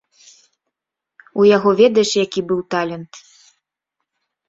У яго ведаеш, які быў талент?